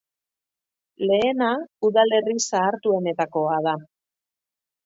Lehena, udalerri zahartuenetakoa da.